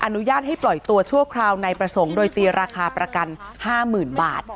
อนุญาตให้ปล่อยตัวชั่วคราวในประสงค์โดยตีราคาประกัน๕๐๐๐บาท